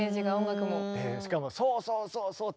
しかも「そうそうそうそう！」